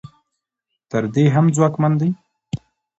تر دې هم ځواکمن دي.